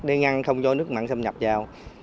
để ngăn không cho nước mặn xâm nhập vào